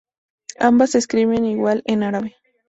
Ambas se escriben igual en árabe.